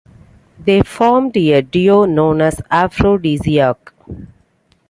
They formed a duo known as Afrodiziak.